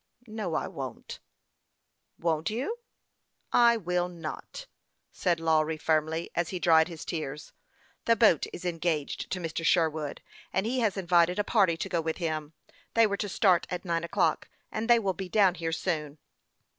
"No, I won't." " Won't you ?"" I will not," said Lawry, firmly, as he dried his tears. " The boat is engaged to Mr. Sherwood, and he has invited a party to go with him. They were to start at nine o'clock, and they will be down here soon."